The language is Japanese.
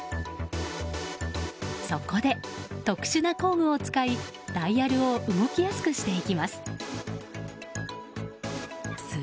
そこで特殊な工具を使いダイヤルを動きやすくしていきます。